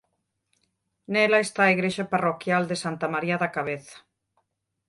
Nela está a igrexa parroquial de Santa María da Cabeza.